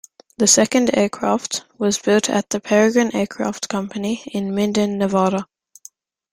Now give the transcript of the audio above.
The second aircraft was built at the Peregrine Aircraft Company in Minden Nevada.